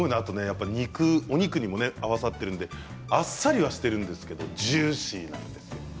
お肉にも合わさっているのであっさりはしているんですけれどもジューシーなんですよ。